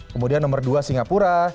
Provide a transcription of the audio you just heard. kemudian nomor dua singapura